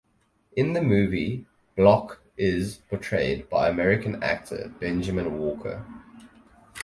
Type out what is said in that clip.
In the movie, Block is portrayed by American actor Benjamin Walker.